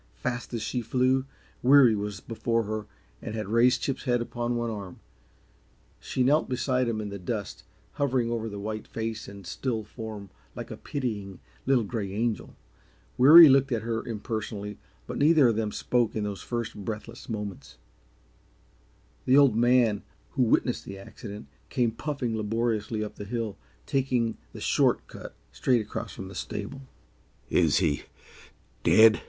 Fast as she flew, Weary was before her and had raised Chip's head upon one arm. She knelt beside him in the dust, hovering over the white face and still form like a pitying, little gray angel. Weary looked at her impersonally, but neither of them spoke in those first, breathless moments. The Old Man, who had witnessed the accident, came puffing laboriously up the hill, taking the short cut straight across from the stable. "Is he DEAD?"